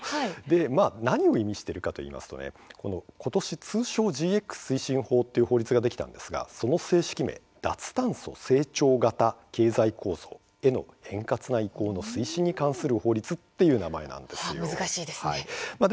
何を意味しているかといいますと今年、通称ＧＸ推進法という法律ができたんですが正式には脱炭素成長型経済構造への円滑な移行の推進に関する法律という名前なんです。